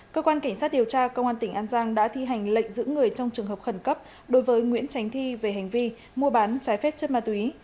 cơ quan cảnh sát điều tra công an tỉnh an giang đã thi hành lệnh giữ người trong trường hợp khẩn cấp đối với nguyễn tránh thi về hành vi mua bán trái phép chất ma túy